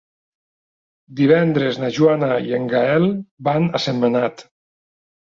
Divendres na Joana i en Gaël van a Sentmenat.